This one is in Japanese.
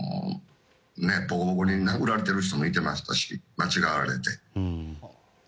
ボコボコに殴られている人もいてましたし、間違われて。